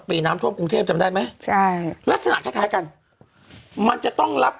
ปีน้ำท่วมกรุงเทพฯจำได้มั้ยรสถานะคล้ายกันมันจะต้องรับ